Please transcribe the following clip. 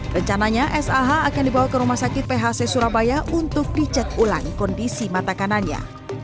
rencananya sah akan dibawa ke rumah sakit phc surabaya untuk dicek ulang kondisi mata kanannya